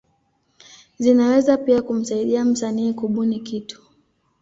Zinaweza pia kumsaidia msanii kubuni kitu.